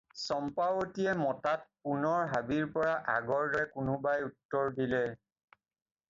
চম্পাৱতীয়ে মতাত, পুনৰ হাবিৰপৰা আগৰ দৰে কোনোবাই উত্তৰ দিলে।